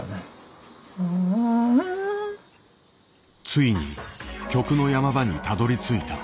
ついに曲の山場にたどりついた。